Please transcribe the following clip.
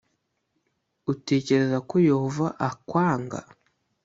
Utekereza ko Yehova akwanga?